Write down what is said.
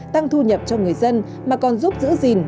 tăng thu nhập cho người dân mà còn giúp giữ gìn